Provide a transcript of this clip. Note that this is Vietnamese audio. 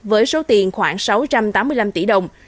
với số tiền khoảng sáu trăm tám mươi năm tỷ đồng